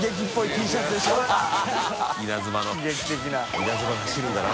稲妻走るんだな。